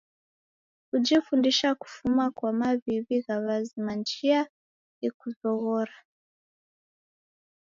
Kujifundisha kufuma kwa maw'iw'i gha w'azima ni chia yekuzoghora.